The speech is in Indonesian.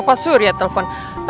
opa surya telepon